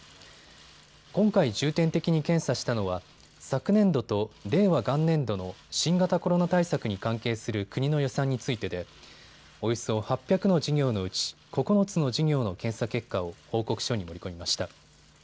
今回、重点的に検査したのは昨年度と令和元年度の新型コロナ対策に関係する国の予算についてでおよそ８００の事業のうち９つの事業の検査結果を報告書に盛り込みました。